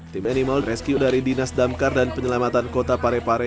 tim animal rescue dari dinas damkar dan penyelamatan kota parepare